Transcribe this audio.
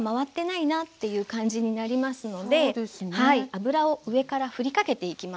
油を上からふりかけていきます。